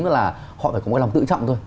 nó là họ phải có một lòng tự trọng thôi